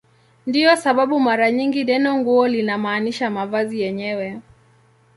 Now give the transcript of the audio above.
Ndiyo sababu mara nyingi neno "nguo" linamaanisha mavazi yenyewe.